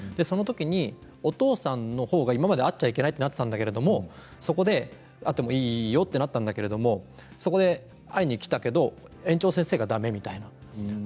そのときに、お父さんのほうが今まで会ってはいけないとなっていたんだけれどそこで会ってもいいよとなったんだけれどそこで会いに来たけれど園長先生が、だめみたいな。